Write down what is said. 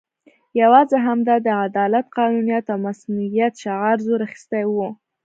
یوازې همدا د عدالت، قانونیت او مصونیت شعار زور اخستی وو.